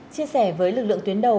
chia sẻ với lực lượng tuyến đầu